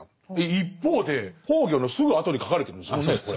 一方で崩御のすぐあとに書かれてるんですもんねこれ。